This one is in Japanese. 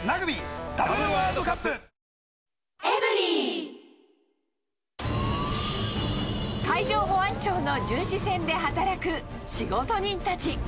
特集は、海上保安庁の巡視船で働く仕事人たち。